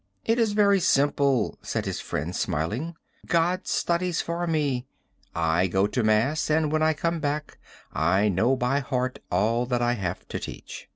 'It is very simple,' said his friend smiling. 'God studies for me. I go to mass and when I come back I know by heart all that I have to teach.'"